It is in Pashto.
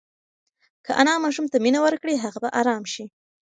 که انا ماشوم ته مینه ورکړي، هغه به ارام شي.